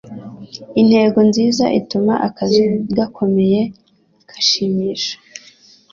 Intego nziza ituma akazi gakomeye kashimisha.